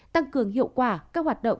tăng cường hiệu quả các hoạt động